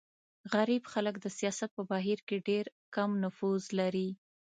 غریب خلک د سیاست په بهیر کې ډېر کم نفوذ لري.